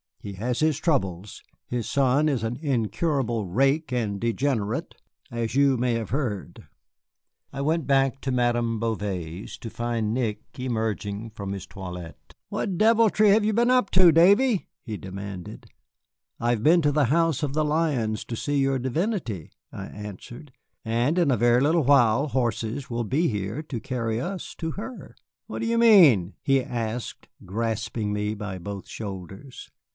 He has his troubles. His son is an incurable rake and degenerate, as you may have heard." I went back to Madame Bouvet's, to find Nick emerging from his toilet. "What deviltry have you been up to, Davy?" he demanded. "I have been to the House of the Lions to see your divinity," I answered, "and in a very little while horses will be here to carry us to her." "What do you mean?" he asked, grasping me by both shoulders.